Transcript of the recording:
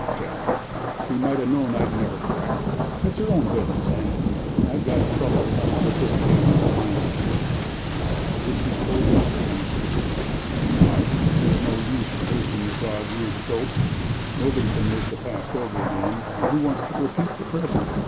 "Hell! She might have known I'd never crack. It's her own business, and I've got troubles enough with this cannery on my hands." "I wish you had told me," said Emerson. "Why? There's no use of rehearsing the dog eared dope. Nobody can live the past over again, and who wants to repeat the present?